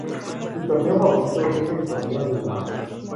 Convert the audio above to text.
Su torneo favorito es el Torneo de Umag.